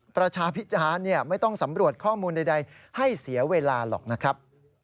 ประชาพิจารณ์ไม่ต้องสำรวจข้อมูลใดให้เสียเวลาหรอกนะครับ